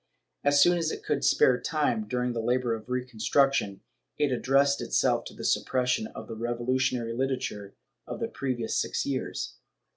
As soon as it could spare time, during the labor of reconstruction, it addressed itself to the suppression of the revolutionary literature of the previous six years.